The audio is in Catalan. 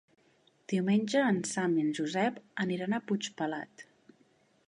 Diumenge en Sam i en Josep aniran a Puigpelat.